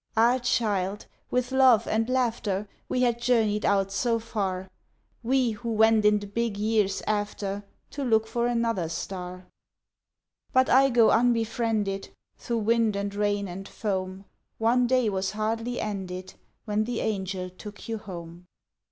Ah child! with love and laughter We had journeyed out so far; We who went in the big years after To look for another star; But I go unbefriended Through wind and rain and foam, One day was hardly ended When the angel took you home.